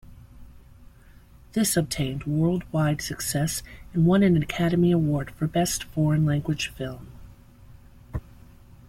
This obtained worldwide success and won an Academy Award for Best Foreign Language Film.